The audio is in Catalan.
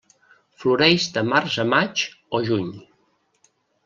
Floreix de març a maig o juny.